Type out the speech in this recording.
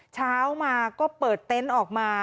เช้ามาก็เปิดเต็นต์ออกมา